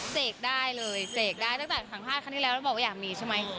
เสกได้เลยเสกได้ตั้งแต่สัมภาษณ์ครั้งที่แล้วแล้วบอกว่าอยากมีใช่ไหม